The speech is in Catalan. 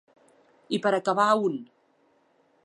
I per acabar a on?